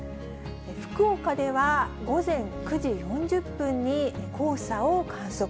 福岡では、午前９時４０分に黄砂を観測。